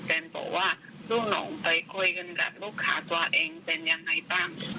แฟนบอกว่าลูกน้องไปคุยกันกับลูกค้าตัวเองเป็นยังไงบ้าง